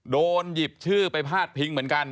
โดนหยิบชื่อไปพาดพิงเหมือนกัน